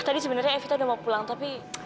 tadi sebenarnya evita udah mau pulang tapi